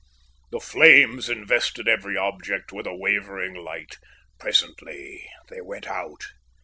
The flames invested every object with a wavering light. Presently they went out.